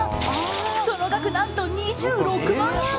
その額、何と２６万円。